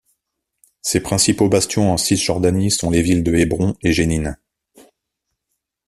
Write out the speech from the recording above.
Ses principaux bastions en Cisjordanie sont les villes de Hébron et Jénine.